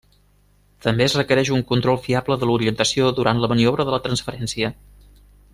També es requereix un control fiable de l'orientació durant la maniobra de la transferència.